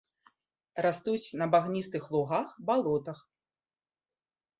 Растуць на багністых лугах, балотах.